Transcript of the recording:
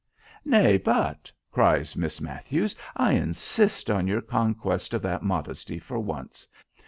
"Nay, but," cries Miss Matthews, "I insist on your conquest of that modesty for once.